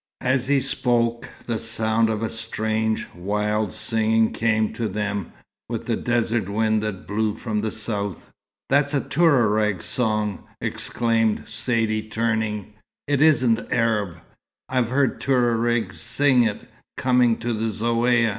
As he spoke, the sound of a strange, wild singing came to them, with the desert wind that blew from the south. "That's a Touareg song," exclaimed Saidee, turning. "It isn't Arab. I've heard Touaregs sing it, coming to the Zaouïa."